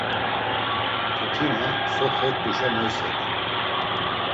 Mtutina, so xert̆uşa moyselu.